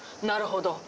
なるほど。